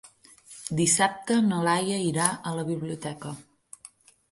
Dissabte na Laia irà a la biblioteca.